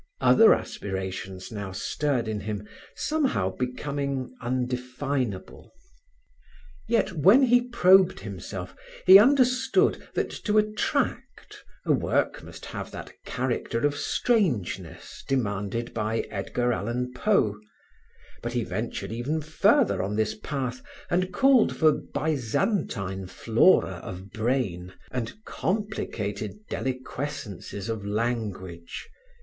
Other aspirations now stirred in him, somehow becoming undefinable. Yet when he probed himself he understood that to attract, a work must have that character of strangeness demanded by Edgar Allen Poe; but he ventured even further on this path and called for Byzantine flora of brain and complicated deliquescences of language.